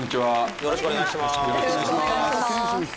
よろしくお願いします！